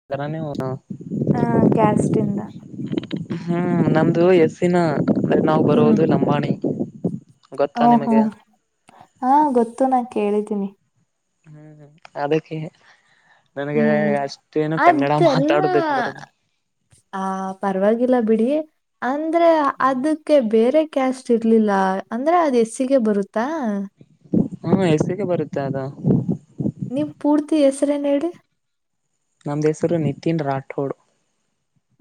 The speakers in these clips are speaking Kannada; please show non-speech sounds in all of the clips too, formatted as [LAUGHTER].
[UNINTELLIGIBLE] ಆ ಕ್ಯಾಸ್ಟ ಇಂದಾ ಹ್ಮ್ ನಮ್ದು ಹೆಸಿನ ಅರಿ ನಾವು ಬರುವುದು ಲಂಬಾಣಿ ಓ ಗೊತ್ತಾ ನಿಮಗೆ ಹ್ಮ್ ಹಾ ಗೊತ್ತು ನಾ ಕೇಳಿದ್ದೀನಿ ಹ್ಮ ಅದಕ್ಕೆ ನನ್ಗೆ ಹ್ಮ್ ಅಷ್ಟೇನು ಕನ್ನಡ ಅದೆಲ್ಲ ಮಾತಾಡುದಕ್ಕೆ ಬರೋದಿಲ್ಲ. ಆ ಪರವಾಗಿಲ್ಲ ಬಿಡಿ ಅಂದ್ರೆ ಅದಕ್ಕೆ ಬೇರೆ ಕ್ಯಾಸ್ಟ್ ಇರ್ಲಿಲ್ಲ ಅಂದ್ರೆ ಅದ್ ಎಸ್ ಸಿಗೆ ಬರುತ್ತಾ ಹಾ ಎಸ್ ಸಿಗೆ ಬರುತ್ತೆ ಅದು ನಿಮ್ಮ ಪೂರ್ತಿ ಹೆಸರೇನು ಹೇಳಿ ನಮ್ದ್ ಹೆಸರು ನಿತಿನ್ ರಾಠೋಡ್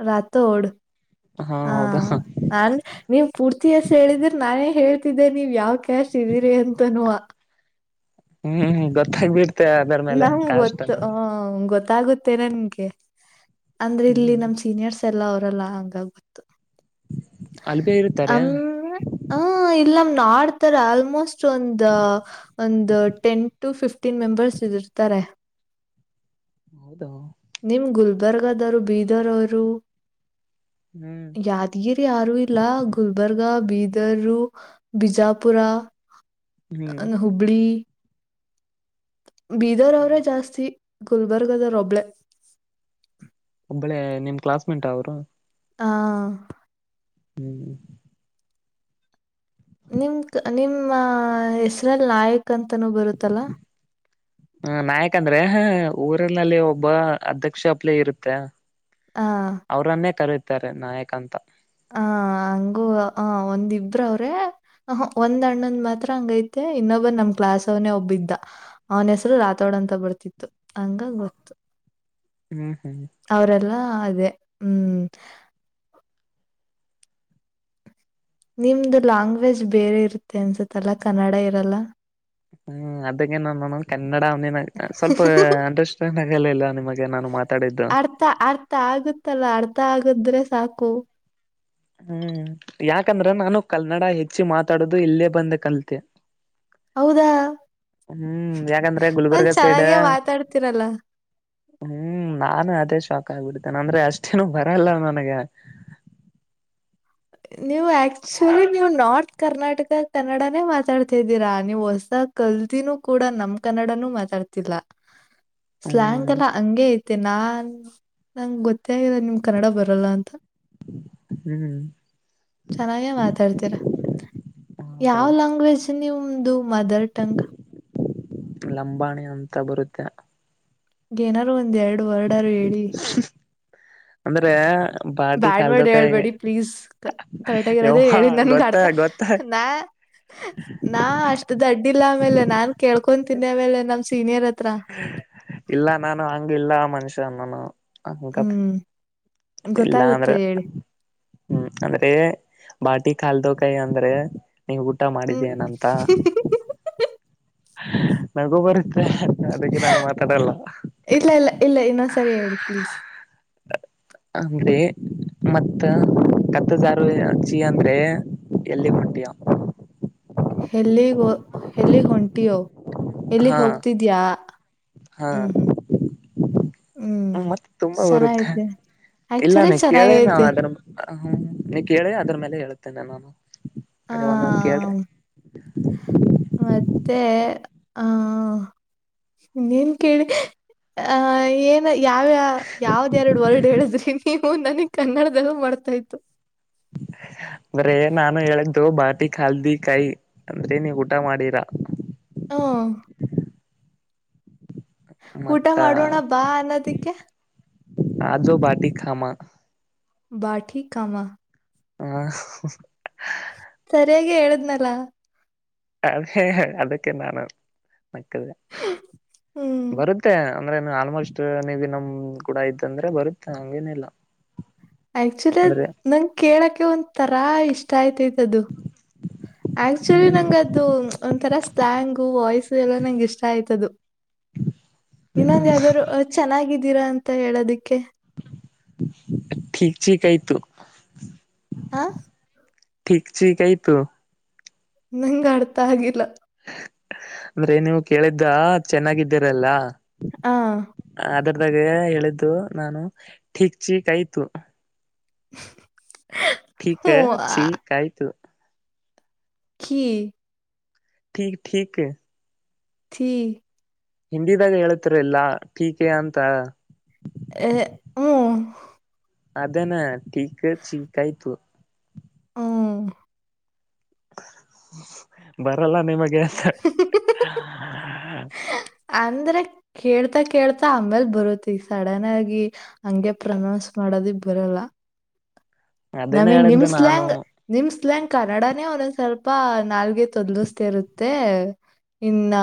ರಾತೋಡ್ ಹಾ ಅ ನೀವ್ ಪೂರ್ತಿ ಹೆಸ್ರು ಹೇಳಿದ್ರೆ ನಾನೇ ಹೇಳ್ತಿದ್ದೆ ನೀವ್ ಯಾವ ಕ್ಯಾಸ್ಟ್ ಇದೀರಿ ಅಂತನುವಾ ಹ್ಮ್ ಗೊತ್ತಾಗಬಿಡ್ತೆ ಅದ್ರ ಮೇಲೆ ಕ್ಯಾಸ್ಟ್ ಹ ಗೊತ್ತಾಗುತ್ತೆ ನನ್ಗೆ ಅಂದ್ರೆ ಇಲ್ಲಿ ಹ್ಮ್ ನಮ್ ಸೀನಿಯರ್ಸ್ ಲ್ಲ ಅವ್ರಲ್ಲ ಹಂಗಾಗ ಗೊತ್ತು ಅಲ್ಲಿ ಬೇ ಇರ್ತಾರೆ [UNINTELLIGIBLE] ಹ ಇಲ್ಲ ನಮ ಆಡ್ತಾರೆ ಆಲ್ಮೋಸ್ಟ್ ಒಂದ ಒಂದು ಟೆನ್ ಟು ಫಿಫ್ಟ ಫಿಫ್ಟಿನ್ ಮೆಂಬರ್ಸ್ ಇದುರ್ತಾರೆ ಹೌದ ನಿಮ್ ಗುಲ್ಬರ್ಗದವರು ಬೀದರ್ ಅವರು ಹ್ಮ್ ಯಾದಗಿರಿ ಯಾರೂ ಇಲ್ಲ ಗುಲ್ಬರ್ಗ ಬೀದರು ಬಿಜಾಪುರ ಹ್ಮ್ ಹುಬ್ಳಿ ಬೀದರ್ ಅವ್ರೇ ಜಾಸ್ತಿ ಗುಲ್ಬರ್ಗದವ್ರ್ ಒಬ್ಳೆ ಒಬ್ಬಳೆ ನಿಮ್ ಕ್ಲಾಸ್ ಮೇಟ್ ಅವ್ರು? ಹಾ ಹ್ಮ್ ನಿಮ್ ನಿಮ್ಮ ಹೆಸರಲ್ ನಾಯಕ್ ಅಂತನೂ ಬರುತ್ತಲ್ಲಾ ಹ್ಮ ನಾಯಕ ಅಂದ್ರೆ ಹ ಊರಿನಲ್ಲಿ ಒಬ್ಬ ಅಧ್ಯಕ್ಷ ಹಪ್ಲೆ ಇರುತ್ತೆ ಆ ಅವ್ರನ್ನೇ ಕರೀತಾರೆ ನಾಯಕ ಅಂತ ಹ ಹಂಗೂ ಹ ಒಂದಿಬ್ರ ಅವ್ರೆ ಹ ಒಂದ್ ಅಣ್ಣಂದ್ ಮಾತ್ರ ಹಂಗೈತೆ ಇನ್ನೊಬ್ಬ ನಮ್ ಕ್ಲಾಸ್ ಅವ್ನನೆ ಒಬ್ಬಿದ್ದ ಅವನ ಹೆಸರು ರಾತೋಡಂತ ಬರ್ತಿತ್ತು ಹಂಗಾಗಿ ಗೊತ್ತು. ಹ್ಮ್ ಹ್ಮ್ ಅವರೆಲ್ಲಾ ಅದೇ ಹ್ಮ್ ನಿಮ್ದು ಲ್ಯಾಂಗ್ವೇಜ್ ಬೇರೆ ಇರುತ್ತೆ ಅನ್ಸತ್ತಲ್ಲ ಕನ್ನಡ ಇರಲ್ಲ. ಹ್ಮ ಅದಕ್ಕೆ ನ [UNINTELLIGIBLE] ಕನ್ನಡ ಅವನ ಸ್ವಲ್ಪ ಅ [UNINTELLIGIBLE] ಾಗಲ್ಲ ಇಲ್ಲ ನಿಮಗೆ ನಾನು ಮಾತಾಡಿದ್ದು? ಅರ್ಥ ಅರ್ಥ ಆಗುತ್ತಲ್ಲ ಅರ್ಥ ಆಗುದ್ರೆ ಸಾಕು. ಹ್ಮ್ ಯಾಕಂದ್ರ ನಾನು ಕನ್ನಡ ಹೆಚ್ಚಿ ಮಾತಾಡದು ಇಲ್ಲೇ ಬಂದ ಕಲ್ತೆ ಹೌದಾ? ಹ್ಮ್ ಯಾಕಂದ್ರೆ ಒಂದ್ ಗುಲ್ಬರ್ಗ ಸೈಡ್ ಚೆನ್ನಾಗೇ ಮಾತಾಡ್ತೀರಲ್ಲ. ಹ್ಮ್ ನಾನು ಅದೇ ಶಾಕ್ ಆಗ್ಬಿಡ್ತೇನೆ ಅಂದ್ರೆ ಅಷ್ಟೇನು ಬರಲ್ಲ ನನಗೆ ನೀವು ಆಕ್ಚುಲಿ ನೀವು್ ನಾರ್ತ್ ಕರ್ನಾಟಕ ಕನ್ನಡಾನೇ ಮಾತಾಡ್ತಿದ್ದೀರಾ ನೀವು ಹೊಸಾಗ ಕಲ್ದಿನೂ ಕೂಡ ನಮ್ ಕನ್ನಡನುೂ ಮಾತಾಡ್ತಿಲ್ಲ. ಸ್ಲಯಂಗ್ ಹ್ಮ್ ಅಲ್ಲ ಹಂಗೆ ಐತೆ ನಾನ್ ನಂಗೆ ಗೊತ್ತೇ ಆದೆ ನಿಮ್ ಕನ್ನಡ ಬರಲ್ಲ ಅಂತ ಹ್ಮ್ ಚೆನ್ನಾಗೆ ಮಾತಾಡ್ತೀರ ಹೌದು ಯಾವ್ ಲ್ಯಾಂಗ್ವೇಜ್ ನಿಮ್ದು ಮದರ್ ಟಂಗ್? ಲಂಬಾಣೆ ಅಂತ ಬರುತ್ತೆ. ಏನಾರು ಒಂದ್ ಎರಡು ವರಡರು ಹೇಳಿ. [INAUDIBLE] ಅಂದ್ರೆ. ಬಾಟಿ ಬ್ಯಾಡ್ ಕಾಲ್ದೊ ವರ್ಡ್ ಕಾಯ ಹೇಳ್ಬೇಡಿ ಪ್ಲೀಸ್ ಹಾ ಕರೆಕ್ಟಾಗಿರೋದೇ ಯವ್ವ ಹೇಳಿ ನನ್ಗೆ ಗೊತ್ತ ಅರ್ಥ ಗೊತ್ತ ನಾ [INAUDIBLE] ನಾ ಅಷ್ಟು ದಡ್ಡಿಲ್ಲ ಆಮೇಲೆ ನಾನ್ ಕೇಳ್ಕೊಂತೀನಿ ಆಮೇಲೆ ನಮ್ ಸೀನಿಯರ್ ಹತ್ರ. ಇಲ್ಲ ನಾನು ಹಂಗ ಇಲ್ಲ ಮನುಷ್ಯ ನಾನು. ಹ ಹ್ಮ್ ಇಲ್ಲ ಗೊತ್ತಾಗುತ್ತೆ ಅಂದ್ರೆ. ಹೇಳಿ ಹ್ಮ್ ಅಂದ್ರೆ ಬಾಟಿ ಕಲ್ದಕಾಯಿ ಅಂದ್ರೆ ನೀ ಊಟ ಹ್ಮ್ ಮಾಡಿದೀನ ಅಂತಾ. ನಗೂ ಬರುತ್ತೆ. ಅದಕ್ಕೆ ನಾನು ಮಾತಾಡಲ್ಲ. ಇಲ್ಲ ಇಲ್ಲ ಇಲ್ಲ [INAUDIBLE] ಅ ಇನ್ನೊಂದ್ಸರಿ ಹೇಳಿ ಪ್ಲೀಸ್ ಅಂದ್ರೆ ಮತ್ತ ಕತ್ತದಾರು ಅಜಿ ಅಂದ್ರೆ ಎಲ್ಲಿ ಹೊಂಟಿಯ ಹೆಲ್ಲಿ ಹೆಲ್ಲಿ ಹೊಂಟಿಯೋ ಎಲ್ಲಿ ಹಾ ಹೋಗ್ತಿದ್ಯಾ ಹ್ಮ್ ಹ್ಮ್. ಹ್ಮ್ ಹ್ಮ ಮತ್ತೆ ತುಂಬಾ ಬರುತ್ತೆ ಚೆನ್ನಾಗೈತೆ ಆಕ್ಚುಲಿ ಇಲ್ಲಾನ ಕೇಳೇ ನು ಚೆನ್ನಾಗೈತೆ ಅದ್ರ ಹ್ಮ ನೀ ಕೇಳಿ ಅದ್ರ ಮೇಲೆ ಹೇಳತ್ತೇನೆ ನಾನು ಆ ಅದೇ ಒಂದೊಂದ ಕೇಳ್ರೆ. [INAUDIBLE] ಮತ್ತೆ ಆಹ. ನೀನ್ ಕೇಳಿ ಆ ಏನ್ ಯಾವ ಯಾವ್ದ ಎರಡು ವರ್ಡ್ ಹೇಳಿದ್ರಿ ನೀವು ನನಗ್ ಕನ್ನಡದಲ್ಲೂ ಮರ್ತ ಹೋಯ್ತು ಅಂದ್ರೆ ನಾನು ಹೇಳಿದ್ದು ಬಾಟಿ ಹಲ್ದಿ ಕಾಯಿ ಅಂದ್ರೆ ನೀವು ಊಟ ಮಾಡಿರ. ಹ. ಊಟ ಮತ್ತ ಮಾಡೋಣ ಬಾ ಅನ್ನೋದಿಕ್ಕೆ ಆಜು ಬಾಟಿ ಕಾಮ. ಬಾಟಿ ಕಾಮ. ಹ. ಸರಿಯಾಗಿ ಹೇಳದ್ನಲ. ಅದೇ ಅದಕ್ಕೆೆ ನಾನ ನಕ್ಕಿದೇ ಹ್ಮ್. ಬರುತ್ತೆ ಅಂದ್ರೆ ಆಲ್ಮೋಸ್ಟ್ ನೀವು ನಮ ಕೂಡ ಇದ್ದಂದ್ರೆ ಬರುತ್ತೆ ಹಂಗೇನಿಲ್ಲ. [INAUDIBLE] ಆಕ್ಚುಲಿ ಅಂದ್ರೆ ಅದ ನಂಗ್ ಕೇಳಕ್ಕೆ ಒಂದ್ ತರಾ ಇಷ್ಟ ಆಯತೈತ್ ಅದು. ಆಕ್ಚುಲಿ ಹ್ಮ್ ನಂಗ ಅದು ಒಂಥರ ಸ್ಲಾಂಗ್ ವಾಯ್ಸ್ ಎಲ್ಲ ನಂಗೆ ಇಷ್ಟ ಆಯ್ತದುು ಇನ್ನೊಂದು ಹ್ಮ್ ಯಾವ್ದಾರು ಚೆನ್ನಾಗಿದ್ದೀರಾ ಅಂತ ಹೇಳೋದಿಕ್ಕೆ ಟಿಕ್ ಚಿ ಕಾಯ್ ತು ಹಾ. ಠೀ ಚಿ ಕೈ ತು ನಂಗ ಅರ್ಥ ಆಗಿಲ್ಲ. ಅಂದ್ರೆ ನೀವು ಕೇಳಿದ್ದ ಚೆನ್ನಾಗಿದ್ದೀರಲ್ಲ ಆ ಅದರ್ದಾಗ ಹೇಳಿದ್ದು ನಾನು ಠೀಕ್ ಚಿ ಕಯ್ತು. ಟಿಕ ಹ್ಞೂ ಆ ಚಿ ಕಾಯತು ಕಿ ಟಿಕ್ ಟಿಕ್ [UNINTELLIGIBLE] [UNINTELLIGIBLE] ಹಿಂದಿದಾಗ ಹೇಳೇತಿರಿಲ್ಲ ಟೀಕೆ ಅಂತ ಹ [UNINTELLIGIBLE] ಅದೇನ ಟೀಕ್ ಚೀಕ್ ಆಯ್ತು ಹ್ಮ್ ಬರಲ್ಲ ನಿಮಗೆ ಅಂತ [INAUDIBLE] ಅಂದ್ರೆ ಕೇಳ್ತಾ ಕೇಳ್ತಾ ಆಮೇಲ್ ಬರುತ್ತೆ ಈ ಸಡನ್ ಆಗಿ ಹಂಗೆ ಪ್ರನೌನ್ಸ್ ಮಾಡೋದಿಕ್ ಬರಲ್ಲ ಅದೇನೇ ನಮಿಗ್ ಹೇಳಿದ್ದೆ ನಾನು ನಿಮಸ್ಲ್ಂಗ ನಿಮ್ಸ್ಲಂಗ್ ಕನ್ನಡಾನೇ ಒಂದೊಂದ್ ಸ್ವಲ್ಪ ನಾಲ್ಗೆ ತೊಂದಲೂಸ್ತಾ ಇರುತ್ತೆ ಇನ್ನ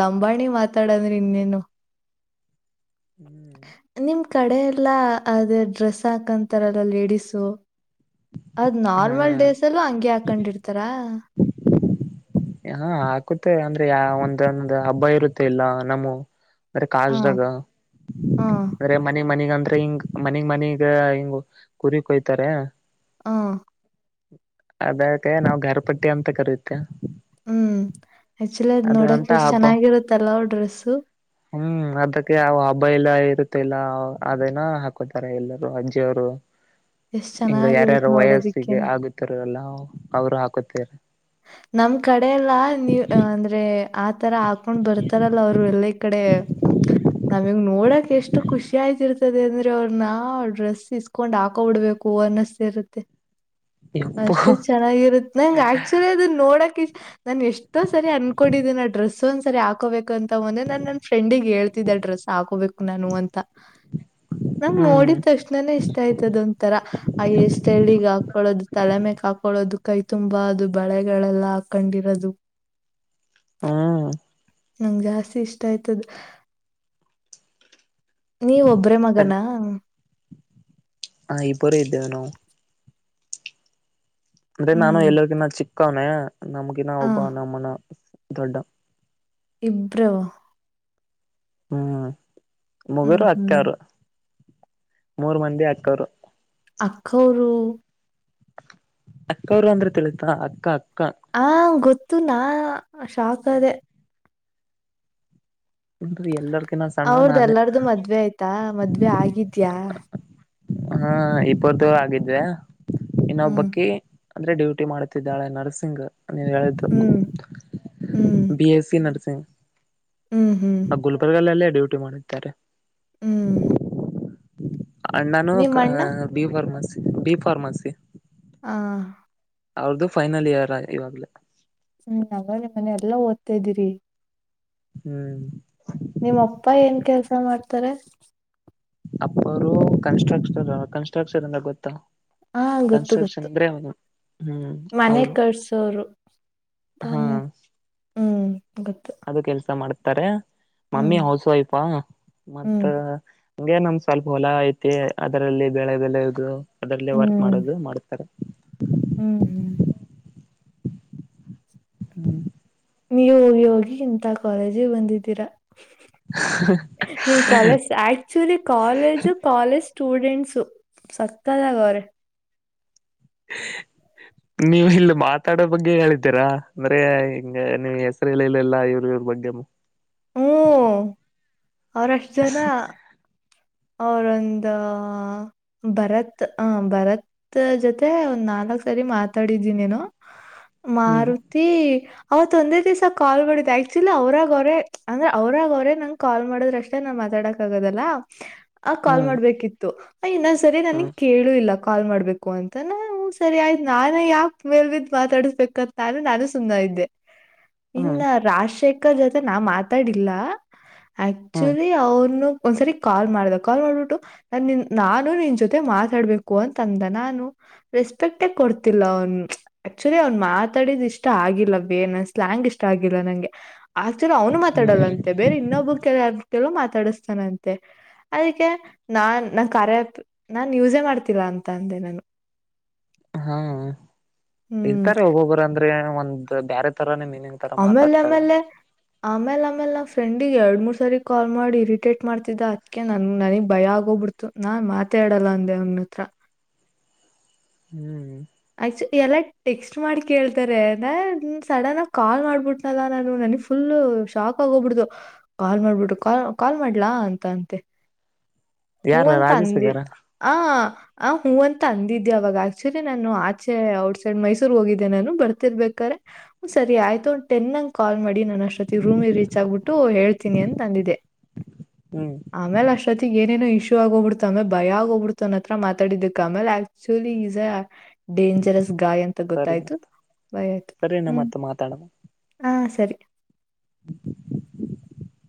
ಲಂಬಾಣಿ ಮಾತಾಡಂದ್ರೆ ಇನ್ನೇನು ಹ್ಮ್ ನಿಮ್ ಕಡೆ ಎಲ್ಲಾ ಅದೇ ಡ್ರೆಸ್ ಹಾಕಂತಾರಲ್ಲ ಲೇಡೀಸು ಅದ್ ಹಾ ನಾರ್ಮಲ್ ಡ್ರೇಸ್ ಅಲ್ಲೂ ಹಂಗೆ ಹಾಕೊಂಡಿರ್ತಾರ? ಹಾ ಹಾಕುತ್ತೆ ಅಂದ್ರೆ ಯ ಒಂದಂದ ಹಬ್ಬ ಇರುತ್ತೆ ಇಲ್ಲ ನಮ್ಮ ಅಂದ್ರೆ ಹ ಕಾಜ್ದಾಗ ಹ ಅಂದ್ರೆ ಮನೆ ಮನಗಂದ್ರ ಹಿಂಗ ಮನಿ ಮನಿಗ ಹಿಂಗ ಕುರಿಕ್ ಹೊಯ್ತಾರೆ ಹಾ ಅದಕ್ಕೆ ನಾವ್ ಘರ ಪಟ್ಟಿ ಅಂತ ಕರಿತ್ತೆವ್ ಹ್ಮ್ ಆಕ್ಚುಲಿ ಅದ್ ನೋಡಕ್ ಎಷ್ಟ್ ಹಬ್ಬ ಚೆನ್ನಾಗಿರುತ್ತಲ್ಲ ಡ್ರೆಸ್ಸು. ಹ್ಮ ಅದಕ್ಕೆ ಅವ ಹಬ್ಬ ಎಲ್ಲ ಇರುತ್ತಲ್ಲ ಅದನ ಹಾಕೋತಾರ ಎಲ್ಲರುೂ ಅಜ್ಜಿಯ ಅವರು [INAUDIBLE] ಹಿಂಗ ಚೆನ್ನಾಗಿರುತ್ ಯಾರ್ಯಾರ ವಯಸ್ಸಿಗೆ ನೋಡೋದಿಕ್ಕೇನೆ. ಆಗುತ್ತರಲ್ಲ ಅವರು ಹಾಕುತ್ತಾರೆ ನಮ್ ಕಡೆ ಎಲ್ಲಾ ನೀವ ಅ ಅಂದ್ರೆ ಆತರ ಹಾಕೊಂಡ್ ಬರ್ತಾರಲ್ಲ ಅವ್ರು ಎಲ್ಲ ಕಡೆ ನಾವೀಗ್ ನೋಡಕ್ ಎಷ್ಟು ಎಷ್ಟು ಖುಷಿ ಆಯ್ತಿ ಇರ್ತದೆ ಅಂದ್ರೆ ಅವ್ರ ನಾ ಡ್ರೆಸ್ ಇಸ್ಕೊಂಡ್ ಹಾಕೋಬಿಡ್ಬೇಕು ಅನ್ನಸ್ತಾ ಇರುತ್ತೆ ಎಪ್ಪೋ ಅಷ್ಟೇ ಚೆನ್ನಾಗಿರುತ್ತ ನಂಗ ಆ ಆಕ್ಚುಲಿ ಅನ್ನ ನೋಡಕ್ ಇ ನಾನು ಎಷ್ಟೋ ಸರಿ ಅನ್ಕೊಂಡಿದ್ದೀನಿ ಆ ಡ್ರೆಸ್ ಒಂದ್ ಸರಿ ಹಾಕೋಬೇಕು ಅಂತ ಮೊನ್ನೆ ನಾನ್ ನನ್ ಫ್ರೆಂಡಿಗೆ ಹೇಳ್ತಿದ್ದೆ ಅ ಡ್ರೆಸ್ ಹಾಕೋಬೇಕು ನಾನು ಅಂತ ನಂಗ್ ಹ್ಮ್ ನೋಡಿದ ತಕ್ಷ್ಣಾನೇ ಇಷ್ಟ ಆಯ್ತದ ಒಂತರ ಅ ಹೇರ್ ಸ್ಟೈಲ್ಗೆ ಹಾಕಳೋದು ತಲೆಮೆಕ್ ಹಾಕಳೋದು ಕೈ ತುಂಬಾ ಅದು ಬಳೆಗಳೆಲ್ಲ ಹಾಕೊಂಡಿರೋದು [UNINTELLIGIBLE] ನಂಗ್ ಜಾಸ್ತಿ ಇಷ್ಟ ಆಯ್ತದು. ನೀವು ಒಬ್ರೆ ಮಗನಾ? ಹಾಂ ಇಬ್ಬರ ಇದ್ದೇವೆ ನಾವು. ಅಂದ್ರೆ ನಾನು ಹ್ಮ್ ಎಲ್ಲರಿಗಿನ್ನ ಚಿಕ್ಕವನ ನಮಗಿನ ಆ ಒಬ್ಬ ನಮ್ಮಣ್ಣ ದೊಡ್ಡ ಇಬ್ಬರು ಹ್ಮ್ ಹ್ಮ್ ಮಗೋರು ಹ್ಮ್ ಅಕ್ಕವರು ಮೂರ್ ಮಂದಿ ಅಕ್ಕವರು ಅಕ್ಕೌರು ಅಕ್ಕವರು ಅಂದ್ರೆ ತಿಳಿತಾ ಅಕ್ಕ ಅಕ್ಕ ಹ ಗೊತ್ತು ನಾ ಶಾಕ್ ಅದೆೇ ಅಂದ್ರ ಎಲ್ಲರ್ಕಿನ್ನ ಸಣ್ಣ ಅವ್ರ್ದ ನಾನೇ ಎಲ್ಲಾರ್ದು ಮದ್ವೆ ಆಯ್ತಾ ಮದ್ವೆ ಆಗಿದ್ಯಾ? ಹಾ ಇಬ್ಬರ್ದು ಆಗಿದೆ ಹ್ಮ್ ಇನ್ನೊಬ್ಬಕಿ ಅಂದ್ರೆ ಡ್ಯೂಟಿ ಮಾಡ್ತಿದ್ದಾಳೆ ನರ್ಸಿಂಗ್. ನೀ ಹೇಳಿದ್ದು ಹ್ಮ್ ಹ್ಮ್ ಬಿ ಎಸ್ಸಿ ನರ್ಸಿಂಗ್ ಹ್ಮ್ ಹ್ಮ್. ಆ ಗುಲ್ಬರ್ಗ ಅಲ್ಲೇ ಡೂಟಿ ಮಾಡಿದ್ದಾರೆ. ಹ್ಮ್. ಅಣ್ಣಾನು ನಿಮ್ ಅಣ್ಣ ಬಿ ಫಾರ್ಮಸಿ ಬಿ ಫಾರ್ಮಸಿ ಹಾ. ಅವ್ರದ್ದು ಫೈನಲ್ ಇಯರ್ ಇವಾಗ್ಲ. ಹ್ಮ್ [UNINTELLIGIBLE] ಮನೆ ಎಲ್ಲ ಓದ್ತಾ ಇದೀರಿ. ಹ್ಮ್. ನಿಮ್ಮ ಅಪ್ಪ ಏನ್ ಕೆಲ್ಸ ಮಾಡ್ತಾರೆ. ಅಪ್ಪರು ಕನ್ಸ್ಟ್ರಕ್ಷರ್ ಕನ್ಸ್ಟ್ರಕ್ಷರ್ಂದ ಗೊತ್ತಾ ಹಾ ಗೊತ್ತು ಕನ್ಸ್ಟ್ರಕ್ಷನ್ ಗೊತ್ತು ಅಂದ್ರೆ ಅವನು ಹ್ಮ್ ಮನೆ ಅವರು. ಕಟ್ಸೋರು ಹಾ. ತಾನೆ ಹ್ಮ್ ಗೊತ್ತು. ಅದು ಕೆಲ್ಸ ಮಾಡ್ತಾರೆ ಮಮ್ಮಿ ಹ್ಮ್ ಹೌಸ್ ವೈಫಾ ಮತ್ತ ಹ್ಮ್ ಹಂಗೆ ನಮ್ ಸ್ವಲ್ಪ ಹೊಲ ಐತಿ ಅದರಲ್ಲಿ ಬೆಳೆ ಬೆಳೆಯದು ಅದರಲ್ಲ ವರ್ಕ್ ಹ್ಮ್ ಮಾಡೋದು ಮಾಡ್ತಾರೆ. ಹ್ಮ್ ಹ್ಮ್. ಹ್ಮ್ ನೀವು ಹೋಗಿ ಹೋಗಿ ಇಂತ ಕಾಲೇಜಿಗೆ ಬಂದಿದ್ದೀರಾ. ನಿಮ್ college [UNINTELLIGIBLE] actually college college students ಸಕ್ಕತ್ತಾಗ ಅವ್ರೆ ನೀವು ಇಲ್ಲಿ ಮಾತಾಡೋ ಬಗ್ಗೆ ಹೇಳಿದ್ದೀರಾ ಅಂದ್ರೆ ಹಿಂಗ ನೀವ್ ಹೆಸರು ಇಳಲ [UNINTELLIGIBLE] ಎಲ್ಲ ಇವ್ರು ಇವ್ರ ಬಗ್ಗೆ ಹ್ಮ್ ಅವರಷ್ಟ ಜನ ಅವರೊಂದ ಭರತ್ ಆ ಭರತ್ ಜೊತೆ ಒಂದ್ ನಾಲ್ಕ್ ಸರಿ ಮಾತಾಡಿದಿ ಏನೋ ಹ್ಮ್ ಮಾರುತಿ ಅವತ್ ಒಂದೇ ದಿವ್ಸ ಕಾಲ್ ಮಾಡಿದ್ದ ಆಕ್ಚುಲಿ ಅವ್ರಾಗ ಅವರೇ ಅಂದ್ರೆ ಅವ್ರಾಗ ಅವ್ರೇ ನಂಗ ಕಾಲ್ ಮಾಡೋದ್ರಷ್ಟೇ ನಾವು ಮಾತಾಡಕ್ ಆಗೋದಲ್ಲ ಆ ಕಾಲ್ ಹ್ಮ್ ಮಾಡ್ಬೇಕಿತ್ತು ಇನ್ನ್ ಸರಿ ನನ ಹ್ಮ್ ಕೇಳ ಹೇಳು ಇಲ್ಲ ಕಾಲ್ ಮಾಡ್ಬೇಕು ಅಂತ ನಾನು ಸರಿ ಆಯ್ತು ನಾನೇ ಯಾಕ ಮೇಲ್ ಬಿದ್ದ ಮಾತಾಡಿಸಬೇಕ ನಾನು ನಾನು ಸುಮ್ಮನ ಆಗಿದ್ದೆ ಇನ್ನ ಹ್ಮ್ ರಾಜಶೇಖರ್ ಜೊತೆ ನಾ ಮಾತಾಡಿಲ್ಲ ಹ್ಮ್ ಆಕ್ಚುಲಿ ಅವನು ಒಂದ ಸರಿ ಕಾಲ್ ಮಾಡ್ದ ಕಾಲ್ ಮಾಡ್ಬಿಟ್ಟು ನಾನ್ ನಿನ್ ನಾನು ನಿನ್ ಜೊತೆ ಮಾತಾಡ್ಬೇಕು ಅಂತ ಅಂದ ನಾನು ರೆಸ್ಪೆಕ್ಟೇ ಕೊಡ್ತಿಲ್ಲ ಅವನ ಆಕ್ಚುಲಿ ಅವ್ನ್ ಮಾತಾಡಿದ್ ಇಷ್ಟ ಆಗಿಲ್ಲ ಬೇ ನನಗೆ ಸ್ಲಯಾಂಗ್ ಇಷ್ಟ ಆಗಿಲ್ಲ ನಂಗೆ ಆಕ್ಚುಲಿ ಅವನು ಹ್ಮ್ ಮಾತಾಡಲ್ಲಂತೆ ಬೇರೆ ಇನ್ನೊಬ್ಬರು ಕೆಲ ಯಾರ ಕೆಲ ಮಾತಾಡಿಸ್ತಾನಂತೆ ಅದಕ್ಕೆ ನಾನ್ ನಾ ಕಾರ್ಯ ಆಪ್ ನಾನ್ ಯೂಸೆ ಮಾಡ್ತಿಲಾ ಅಂತ ಅಂದೆ ನಾನು ಹ್ಮ ಹ್ಮ್ ಇರ್ತಾರೆ ಒಬ್ಬೊಬ್ಬರು ಅಂದ್ರೆ ಒಂದ ಬ್ಯಾರೆ ತರಾನೇ ಮೀನಿಂಗ್ ತರ ಆಮೇಲೆ ಮಾತಾಡ್ತಾರೆ ಆಮೇಲೆ ಆಮೇಲ್ ಆಮೇಲೆ ನಮ್ಮ ಫ್ರೆಂಡಗ್ ಎರಡ್ ಆಮೇಲೆ ಆಮೇಲೆ ಮೂರ್ ಸರಿ ಕಾಲ್ ಮಾಡಿ ಇರಿಟೇಟ್ ಮಾಡ್ತಿದ್ದ ಅದ್ಕ ನನ್ ನನಗ್ ಭಯ ಆಗೋಗ್ಬಿಡ್ತು ನಾನ್ ಮಾತೆ ಆಡಲ್ಲ ಅಂದೆ ಅವ್ನ ಹತ್ರ ಹ್ಮ್. ಆಕ್ಚು ಎಲ್ಲ ಟೆಕ್ಸ್ಟ್ ಮಾಡಿ ಕೇಳ್ತಾರೆ ಅಂದ ಸಡನ್ ಆಗ ಕಾಲ್ ಮಾಡ್ಬಿಟ್ನಲ್ಲ ನಾನು ನನಗ್ ಫುಲ್ ಶಾಕ್ ಆಗ ಹೋಗ್ಬಿಡತು ಕಾಲ್ ಮಾಡ್ಬಿಟ್ಟು ಕಾ ಕಾಲ್ ಮಾಡ್ಲಾ ಅಂತ ಅಂತೆ. ಹೂ ಯಾರ ಅಂತ ರಾಜೇಶ್ ಅಂದಿದ ಇದಾರ ಆ ಆ ಹೂ ಅಂತ ಅಂದಿದಿ ಅವಾಗ ಆಕ್ಚುಲಿ ನಾನು ಆಚೆ ಔಟ್ ಸೈಡ್ ಮೈಸೂರ್ ಹೋಗಿದ್ದೆ ನಾನು ಬರ್ತಿರ್ಬೇಕಾರೆ ಸರಿ ಆಯ್ತು ಟೆನ್ಂಗ ಕಾಲ್ ಮಾಡಿ ನಾನ್ ಅಷ್ಟೊತ್ತಿಗೆ ರೂಮಿಗೆ ರೀಚ್ ಆಗ್ಬಿಟ್ಟು ಹೇಳ್ತೀನಿ ಅಂತ ಅಂದಿದ್ದೆ ಹುಂ ಆಮೇಲೆ ಅಷ್ಟೊತ್ತಿಗ ಏನೇನೋ ಇಶ್ಯೂ ಆಗೋಗ್ಬಿಡ್ತ ಆಮೇಲೆ ಭಯ ಆಗ್ಬಿಡ್ತ ಅನ್ನ ಹತ್ರ ಮಾತಾಡಿದ್ದಕ್ ಆಮೇಲೆ ಆಕ್ಚುಲಿ ಈ ಡೇಂಜರಸ್ ಗಾಯ್ ಅಂತ ಸರಿ ಗೊತ್ತಾಯ್ತು ಆಯ್ತ ಸರಿ ಅಣ್ಣ ಹುಂ ಮತ್ತೆ ಮಾತಾಡೋಣ. ಹಾ ಸರಿ [INAUDIBLE]